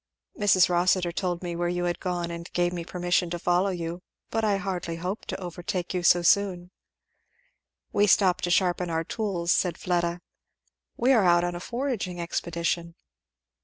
"Mrs. Rossitur told me where you had gone and gave me permission to follow you, but I hardly hoped to overtake you so soon." "We stopped to sharpen our tools," said Fleda. "We are out on a foraging expedition."